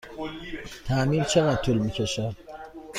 تعمیر چقدر طول می کشد؟